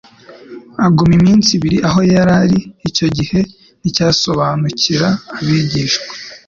Aguma iminsi ibiri aho yari ari. Icyo gihe nticyasobanukira abigishwa